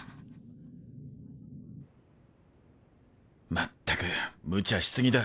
まったくむちゃし過ぎだ。